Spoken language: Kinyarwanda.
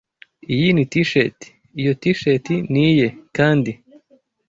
Iyi ni T-shirt. Iyo T-shirt ni iye, kandi.